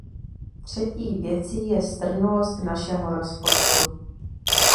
Třetí věcí je strnulost našeho rozpočtu.